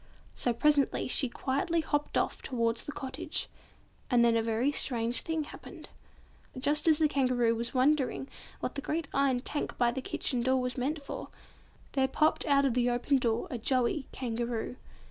So presently she quietly hopped off towards the cottage, and then a very strange thing happened. Just as the Kangaroo was wondering what the great iron tank by the kitchen door was meant for, there popped out of the open door a joey Kangaroo.